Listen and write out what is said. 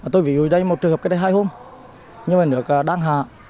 tôi ví dụ đây một trường hợp cách đây hai hôm nhưng mà được đăng hạ